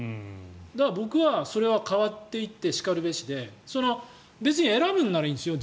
だから僕はそれは変わっていってしかるべしで別に選ぶんだったらいいんですよ。